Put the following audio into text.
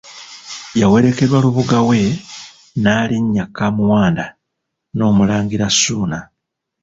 Yawerekerwa Lubuga we Nnaalinya Kamuwanda n'Omulangira Ssuuna.